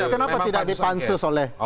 kenapa tidak dipansus oleh